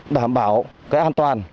đảm bảo an toàn